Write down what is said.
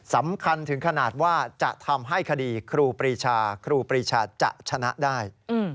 สำคัญถึงขนาดว่าจะทำให้คดีครูปรีชาครูปรีชาจะชนะได้